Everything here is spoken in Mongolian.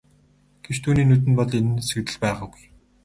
Гэвч түүний нүдэнд бол инээмсэглэл байгаагүй.